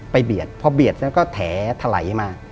ไปเบียดพอเบียดแล้วก็แหน่สไถไถลให้มา